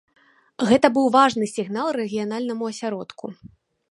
Гэта быў важны сігнал рэгіянальнаму асяродку.